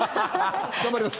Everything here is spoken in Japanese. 頑張ります。